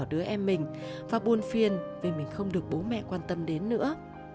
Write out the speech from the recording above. đứa em mình và buồn phiền vì mình không được bố mẹ quan tâm đến nữa